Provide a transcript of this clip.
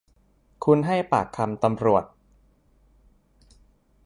คุณให้ปากคำตำรวจ